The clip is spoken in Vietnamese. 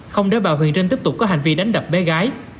không để bà huy trinh tiếp tục có hành vi đánh đập bé gái